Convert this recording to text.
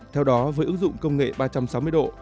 theo đó với ứng dụng công nghệ ba trăm sáu mươi độ